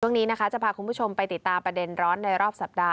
ช่วงนี้นะคะจะพาคุณผู้ชมไปติดตามประเด็นร้อนในรอบสัปดาห